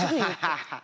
ハハハハ。